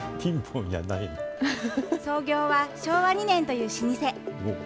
創業は昭和２年という老舗。